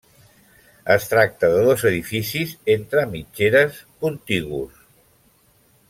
Es tracta de dos edificis entre mitgeres, contigus.